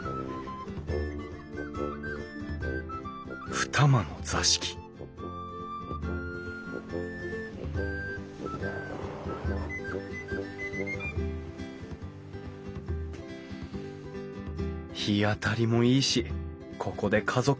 二間の座敷日当たりもいいしここで家族団らんしていたのかな